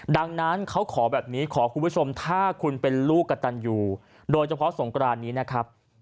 ดังนั้นเขาขอแบบนี้ขอคุณผู้ชมถ้าคุณเป็นลูกกระตันอยู่โดยเฉพาะสงกรานนี้นะครับ